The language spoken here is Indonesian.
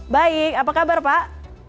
baik apa kabar pak